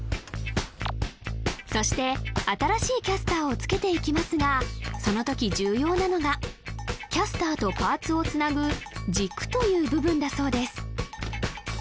そして新しいキャスターをつけていきますがそのとき重要なのがキャスターとパーツをつなぐ「軸」という部分だそうです